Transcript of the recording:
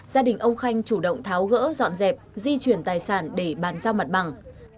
gia đình ông khanh chủ động tháo gỡ dọn dẹp di chuyển tài sản để bàn giao mặt bằng